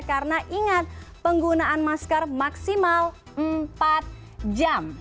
karena ingat penggunaan masker maksimal empat jam